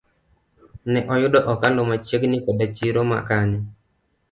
Ne oyudo okalo machiegni koda chiro ma kanyo.